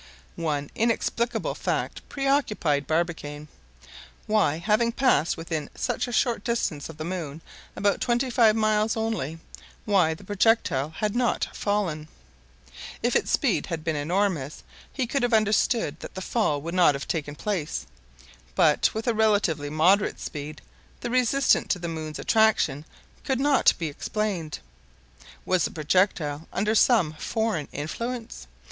One inexplicable fact preoccupied Barbicane. Why, having passed within such a short distance of the moon—about twenty five miles only—why the projectile had not fallen? If its speed had been enormous, he could have understood that the fall would not have taken place; but, with a relatively moderate speed, that resistance to the moon's attraction could not be explained. Was the projectile under some foreign influence?